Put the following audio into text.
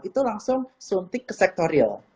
itu langsung suntik ke sektor real